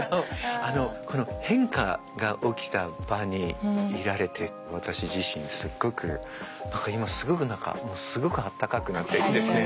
変化が起きた場にいられて私自身すっごく何か今すごく何かすごくあたたかくなっていいですね。